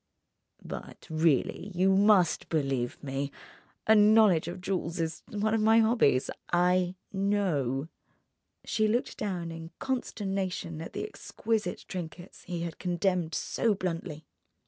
"But really, you must believe me. A knowledge of jewels is one of my hobbies: I know!" She looked down in consternation at the exquisite trinkets he had condemned so bluntly.